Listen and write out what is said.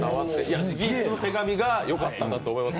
直筆の手紙がよかったんだと思います。